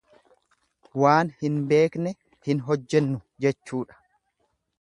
Waan hin beekne hin hojjennu jechuudha.